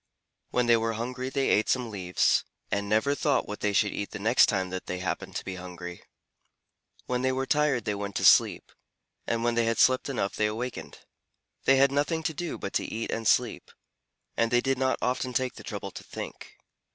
When they were hungry they ate some leaves, and never thought what they should eat the next time that they happened to be hungry. When they were tired they went to sleep, and when they had slept enough they awakened. They had nothing to do but to eat and sleep, and they did not often take the trouble to think.